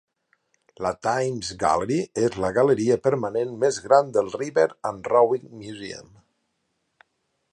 La Thames Gallery és la galeria permanent més gran del River and Rowing Museum.